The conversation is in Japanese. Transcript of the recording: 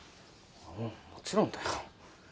うんもちろんだよ。